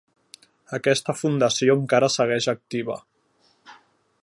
Aquesta fundació encara segueix activa.